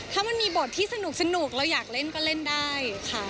ถ้ามันมีบทที่สนุกเราอยากเล่นก็เล่นได้ค่ะ